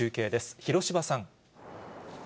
広芝さん。